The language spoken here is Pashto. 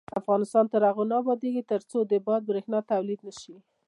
افغانستان تر هغو نه ابادیږي، ترڅو د باد بریښنا تولید نشي.